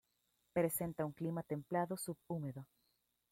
Presenta un clima templado subhúmedo.